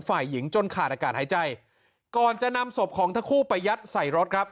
ฝ่ายหญิงจนขาดอากาศหายใจก่อนจะนำศพของทั้งคู่ไปยัดใส่รถครับ